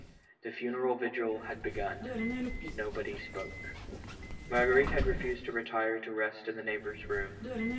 The funeral vigil had begun ; nobody spoke. Marguerite had refused to retire to rest in tlie neigh bor's room.